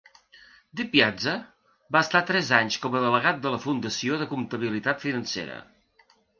DiPiazza va estar tres anys com a delegat de la Fundació de Comptabilitat Financera.